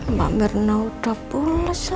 mbak mirna udah pulas lagi tidurnya